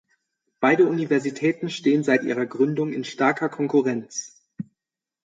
Beide Universitäten stehen seit ihrer Gründung in starker Konkurrenz.